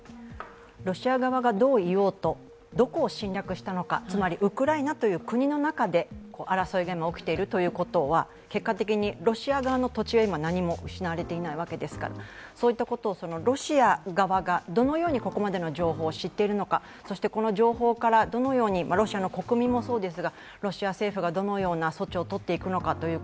ロシア側がどう言おうとどこを侵略したのか、つまりウクライナという国の中で争いが今、起きているということは結果的にロシア側の土地は何も失われていないわけですからそういったことをロシア側がどのようにここまでの情報を知っているのか、そしてこの情報からどのように、ロシアの国民もそうですがロシア政府がどのような措置を取っていくのか